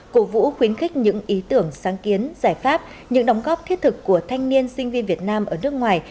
cổ vũ khuyến khích những ý tưởng sáng kiến giải pháp những đóng góp thiết thực của thanh niên sinh viên việt nam ở nước ngoài